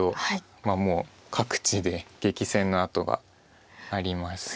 まあもう各地で激戦の跡がありますよね。